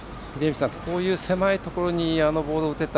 こういう狭いところにあのボールを打てた。